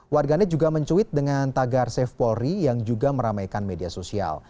warganet juga mencuit dengan tagar safe polri yang juga meramaikan media sosial